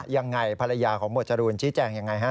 ยังไงภรรยาของหมวดจรูนชี้แจงยังไงฮะ